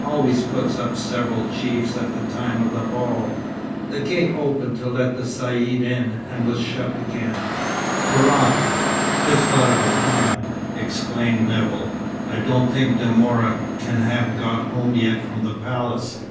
Always puts up several chiefs at the time of the ball." The gate opened to let the caïd in and was shut again. "Hurrah! just thought of a plan," exclaimed Nevill. "I don't think De Mora can have got home yet from the palace.